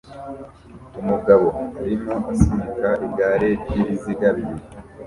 Umugabo arimo asunika igare ryibiziga bibiri